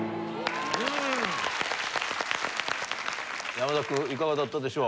山崎君いかがだったでしょう？